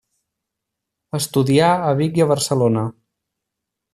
Estudià a Vic i a Barcelona.